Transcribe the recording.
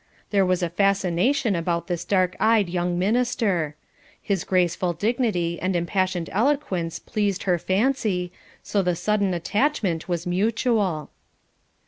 There was a fascination about this dark eyed young minister; his graceful dignity and impassioned eloquence pleased her fancy, so the sudden attachment was mutual.